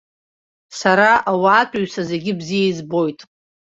Сара ауаатәҩса зегьы бзиа избоит.